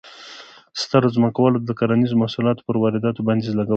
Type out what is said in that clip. سترو ځمکوالو د کرنیزو محصولاتو پر وارداتو بندیز لګولی و.